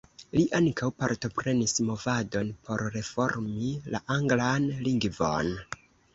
Li ankaŭ partoprenis movadon por reformi la anglan lingvon.